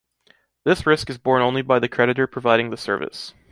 This risk is borne only by the creditor providing the service.